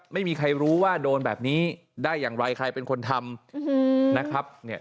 ไม่มีใครรู้ว่าโดนแบบนี้ได้อย่างไรใครเป็นคนทำ